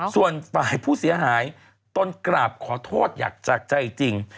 ส่วนฝ่ายผู้เสียหายตนกราบขอโทษอยากจากใจจริง